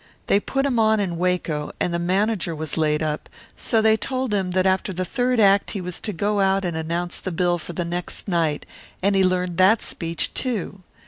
They put him on in Waco, and the manager was laid up, so they told him that after the third act he was to go out and announce the bill for the next night, and he learned that speech, too.